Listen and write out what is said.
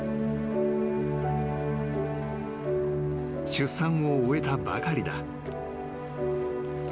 ［出産を終えたばかりだ］